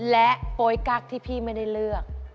และโป๊ยกั๊กที่พี่ไม่ได้เลือก